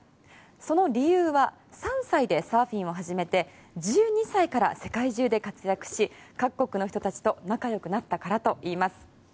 その理由は３歳でサーフィンを始めて１２歳で世界で活躍し各国の人たちと仲よくなったからといいます。